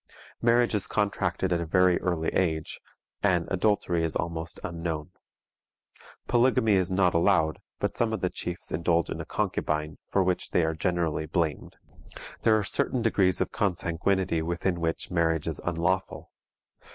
Marriage is contracted at a very early age, and adultery is almost unknown. Polygamy is not allowed, but some of the chiefs indulge in a concubine, for which they are generally blamed. There are certain degrees of consanguinity within which marriage is unlawful.